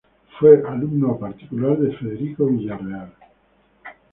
Fue alumno particular de Federico Villarreal.